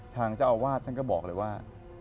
ทางเจ้าอาวาสท่านก็บอกเลยว่า